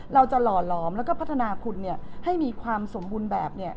เราจะหล่อหลอมและพัฒนาคุณให้มีความสมบูรณ์แบบ